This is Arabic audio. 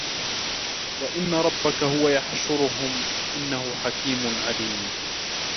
وإن ربك هو يحشرهم إنه حكيم عليم